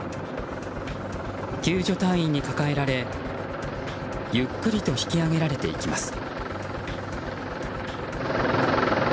救助隊員に抱えられ、ゆっくりと引き上げられていきます。